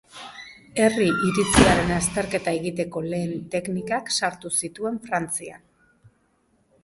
Herri iritziaren azterketa egiteko lehen teknikak sartu zituen Frantzian.